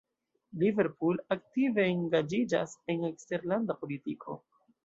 Liverpool aktive engaĝiĝas en eksterlanda politiko.